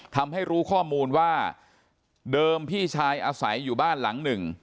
ทำให้รู้ข้อมูลว่าเดิมพี่ชายอาศัยอยู่บ้านหลังหนึ่ง